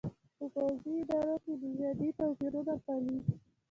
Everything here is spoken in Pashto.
په پوځي ادارو کې نژادي توپېرونه پالي.